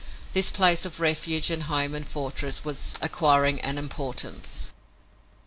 This place of refuge and home and fortress was acquiring an importance.